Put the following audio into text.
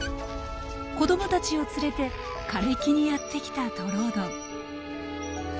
子どもたちを連れて枯れ木にやって来たトロオドン。